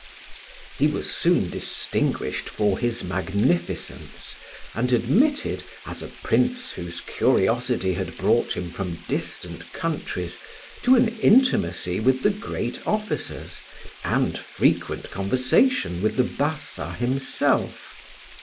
He was soon distinguished for his magnificence, and admitted, as a Prince whose curiosity had brought him from distant countries, to an intimacy with the great officers and frequent conversation with the Bassa himself.